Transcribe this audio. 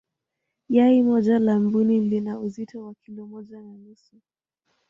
yai moja la mbuni lina uzito wa kilo moja na nusu